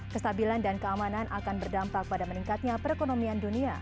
kestabilan dan keamanan akan berdampak pada meningkatnya perekonomian dunia